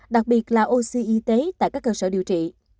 đặc biệt là oxy y tế tại các cơ sở điều trị